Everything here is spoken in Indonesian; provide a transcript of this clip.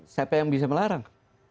cpm bisa melarang